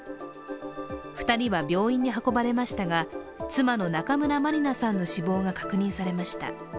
２人は病院に運ばれましたが、妻の中村まりなさんの死亡が確認されました。